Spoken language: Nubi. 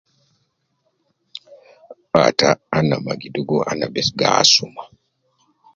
Ata ana ma gi dugu ana bes gi asuma